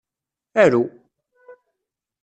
Aru!